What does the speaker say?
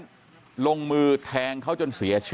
กลุ่มตัวเชียงใหม่